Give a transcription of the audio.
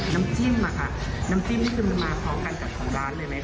น้ำจิ้มอะค่ะน้ำจิ้มนี่คือมันมาพร้อมกันกับของร้านเลยไหม